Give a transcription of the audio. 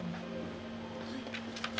はい。